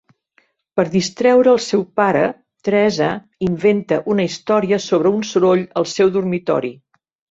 Per distreure el seu pare, Teresa inventa una història sobre un soroll al seu dormitori.